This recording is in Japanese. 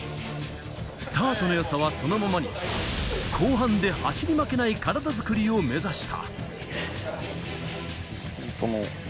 スタートの良さはそのままに、後半で走り負けない体づくりを目指した。